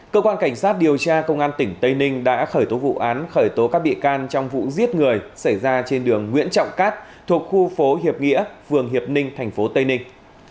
cơ quan cảnh sát điều tra công an tỉnh tây ninh đã khởi tố vụ án khởi tố các bị can trong vụ giết người xảy ra trên đường nguyễn trọng cát thuộc khu phố hiệp nghĩa phường hiệp ninh tp tây ninh